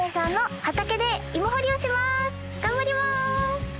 頑張ります！